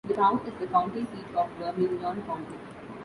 The town is the county seat of Vermillion County.